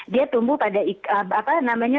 dia tumbuh pada apa namanya